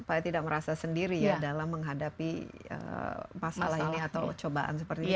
supaya tidak merasa sendiri ya dalam menghadapi masalah ini atau cobaan seperti ini